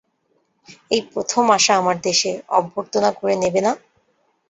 এই প্রথম আসা আমার দেশে, অভ্যর্থনা করে নেবে না?